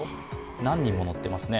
何人も乗ってますね。